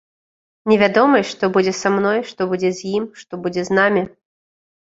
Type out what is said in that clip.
Невядомасць, што з будзе са мной, што будзе з ім, што будзе з намі.